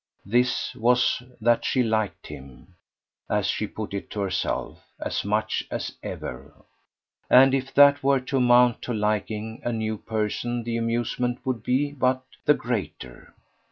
This was that she liked him, as she put it to herself, as much as ever; and if that were to amount to liking a new person the amusement would be but the greater.